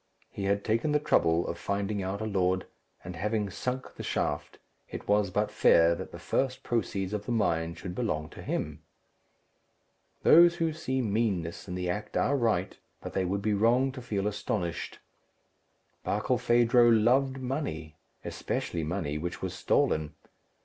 He had taken the trouble of finding out a lord; and having sunk the shaft, it was but fair that the first proceeds of the mine should belong to him. Those who see meanness in the act are right, but they would be wrong to feel astonished. Barkilphedro loved money, especially money which was stolen.